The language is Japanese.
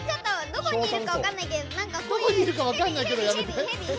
どこにいるかわかんないけどやめて？